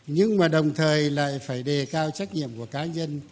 nhưng mà đồng thời lại phải đề cao trách nhiệm của cá nhân